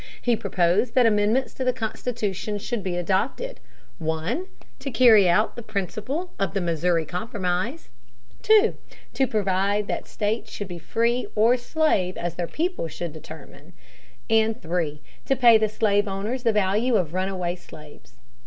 He proposed that amendments to the Constitution should be adopted: (1) to carry out the principle of the Missouri Compromise (p. 222);(2) to provide that states should be free or slave as their people should determine; and (3) to pay the slave owners the value of runaway slaves.